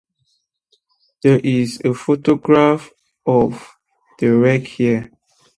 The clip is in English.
There is a photograph of the Rec here.